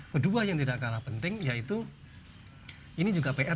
kedua yang tidak kalah penting yaitu ini juga pr